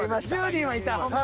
１０人はいた。